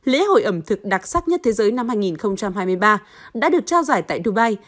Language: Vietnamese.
lễ hội ẩm thực đặc sắc nhất thế giới năm hai nghìn hai mươi ba đã được trao giải tại dubai